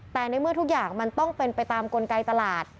แต่ในเมื่อทุกอย่างมันต้องเป็นไปตามกลไกตลาด